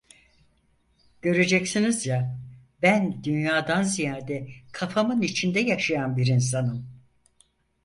Göreceksiniz ya, ben dünyadan ziyade kafamın içinde yaşayan bir insanım…